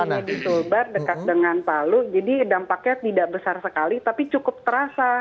kalau mungkin sekarang di tulbar dekat dengan palu jadi dampaknya tidak besar sekali tapi cukup terasa